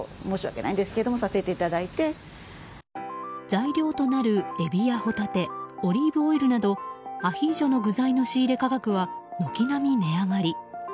材料となるエビやホタテオリーブオイルなどアヒージョの具材の仕入れ価格は軒並み値上がり。